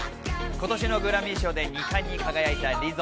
今年のグラミー賞で２冠に輝いたリゾ。